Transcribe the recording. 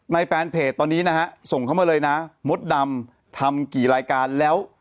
แฟนเพจตอนนี้นะฮะส่งเข้ามาเลยนะมดดำทำกี่รายการแล้ว